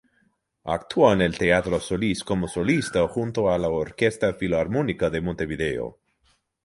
Actúa en el Teatro Solís como solista, junto a la Orquesta Filarmónica de Montevideo.